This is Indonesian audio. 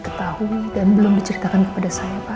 ketahui dan belum diceritakan kepada saya pak